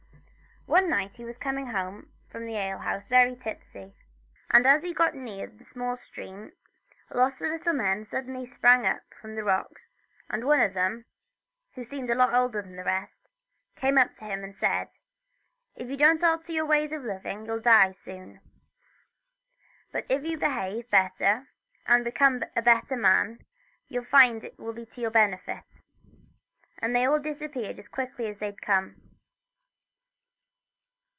One night he was coming home from an alehouse very tipsy, and as he got near a small stream a lot of little men suddenly sprang up from the rocks, and one of them, who seemed to be older than the rest, came up to him, and said :" If you don't alter your ways of living you '11 die soon ; but if you behave better and become a better man you '11 find it will be to your benefit," and they all disappeared as quickly as they had come.